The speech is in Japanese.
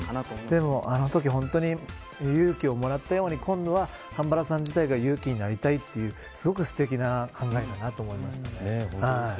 でも、あのとき勇気をもらったように今度は神原さん自体が勇気になりたいというすごく、すてきな考え方だと思いましたね。